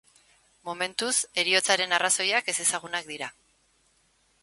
Momentuz, heriotzaren arrazoiak ezezagunak dira.